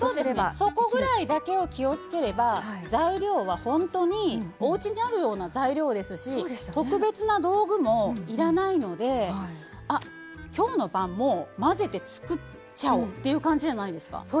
そこぐらいだけを気をつければ材料は本当におうちにあるような材料ですし特別な道具もいらないのできょうの晩も混ぜて作っちゃおうみたいな感じじゃないですか。